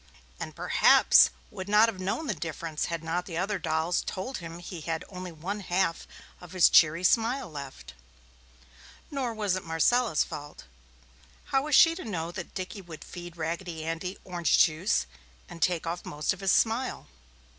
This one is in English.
And perhaps would not have known the difference had not the other dolls told him he had only one half of his cheery smile left. Nor was it Marcella's fault. How was she to know that Dickie would feed Raggedy Andy orange juice and take off most of his smile?